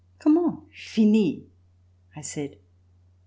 "Comment fini.?" I said.